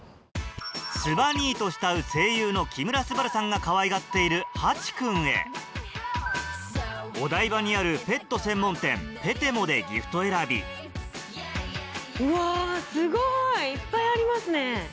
「すば兄」と慕う声優の木村昴さんがかわいがっているハチくんへお台場にあるペット専門店ＰＥＴＥＭＯでギフト選びうわすごい！いっぱいありますね。